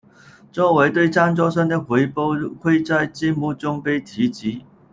作为对赞助商的回报会在节目中被提及。